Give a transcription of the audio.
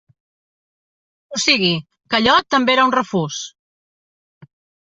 O sigui, que allò també era un refús.